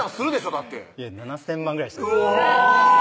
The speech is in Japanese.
だって７０００万ぐらいしたんですうわ